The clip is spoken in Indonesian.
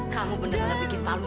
kamu beneran bikin malu